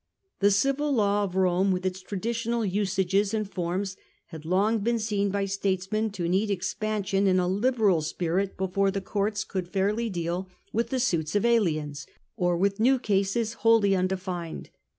The civil law of Rome, with its old traditional usages and forms, had long been seen by statesmen to need expan Sict.' >ion in a liberal spirit before the courts could fairly deal 6o The Age of the Antonznes, a.d. with the suits of aliens, or with new cases wholly unde 6ned.